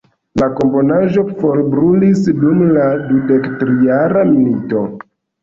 La komponaĵo forbrulis dum la Tridekjara Milito.